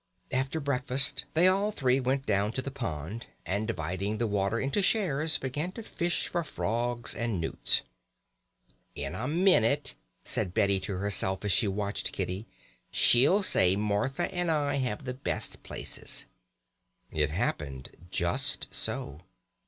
After breakfast they all three went down to the pond, and, dividing the water into shares, began to fish for frogs and newts. "In a minute," said Betty to herself as she watched Kitty, "she'll say Martha and I have the best places." It happened just so.